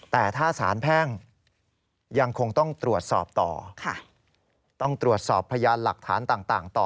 แต่ถ้าสารแพ่งยังคงต้องตรวจสอบต่อต้องตรวจสอบพยานหลักฐานต่างต่อ